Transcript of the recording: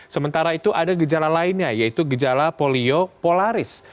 sementara itu ada gejala lainnya yaitu gejala polio polaris